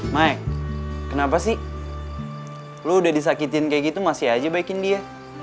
mike kenapa sih lo udah disakitin kayak gitu masih aja baikin dia